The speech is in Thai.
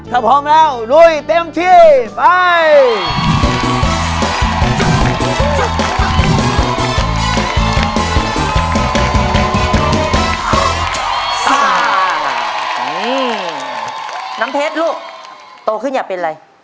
ถ้าพร้อมแล้วลุยเต็มที่ไป